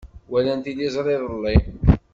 Walan tiliẓri iḍelli.